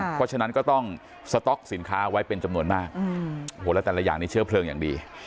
เพราะฉะนั้นก็ต้องสต๊อกสินค้าไว้เป็นจำนวนมากโอ้โหแล้วแต่ละอย่างนี้เชื้อเพลิงอย่างดี